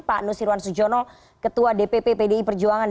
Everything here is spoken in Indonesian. pak nusirwan sujono ketua dpp pdi perjuangan